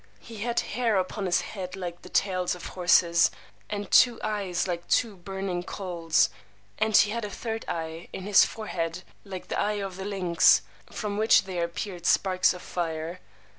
He had hair upon his head like the tails of horses, and two eyes like two burning coals, and he had a third eye, in his forehead, like the eye of the lynx, from which there appeared sparks of fire.